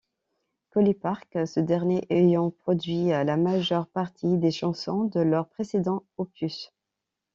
Collipark, ce dernier ayant produit la majeure partie des chansons de leur précédent opus.